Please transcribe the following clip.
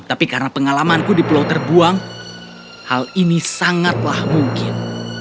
tapi karena pengalamanku di pulau terbuang hal ini sangatlah mungkin